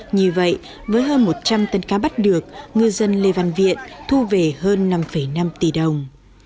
như vậy với hơn một trăm linh tấn cá bắt được ngư dân lê văn viện thu về hơn năm năm tỷ đồng